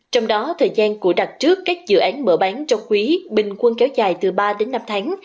trong đó thời gian của đặt trước các dự án mở bán trong quý bình quân kéo dài từ ba đến năm tháng